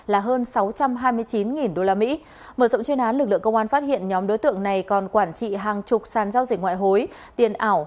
là hơn sáu trăm hai mươi chín usd mở rộng chuyên án lực lượng công an phát hiện nhóm đối tượng này còn quản trị hàng chục sàn giao dịch ngoại hối tiền ảo